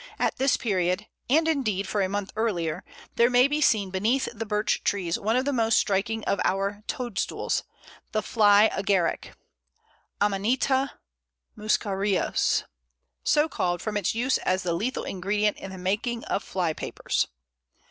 At this period and, indeed, for a month earlier there may be seen beneath the Birch trees one of the most striking of our toadstools, the Fly Agaric (Amanita muscarius), so called from its use as the lethal ingredient in the making of fly papers.